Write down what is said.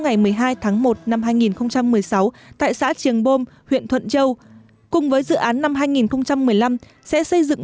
ngày một mươi hai tháng một năm hai nghìn một mươi sáu tại xã triềng bôm huyện thuận châu cùng với dự án năm hai nghìn một mươi năm sẽ xây dựng